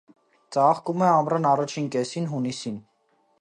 Ծաղկում է ամռան առաջին կեսին, հունիսին։